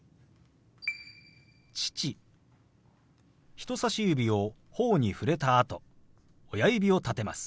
人さし指をほおに触れたあと親指を立てます。